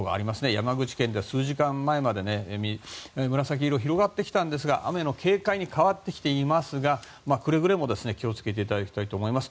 山口県では数時間前まで紫色が広がってきたんですが雨の警戒に変わってきていますがくれぐれも気を付けていただきたいと思います。